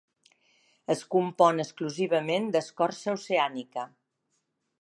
Es compon exclusivament d'escorça oceànica.